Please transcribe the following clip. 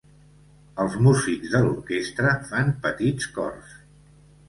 Els músics de l'orquestra fan petits cors.